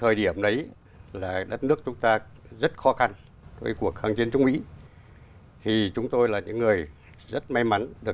hiện nay ông là phó chủ tịch hội hữu